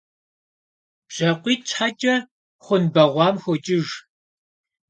БжьакъуитӀ щхьэкӀэ хъун бэгъуам хокӀыж.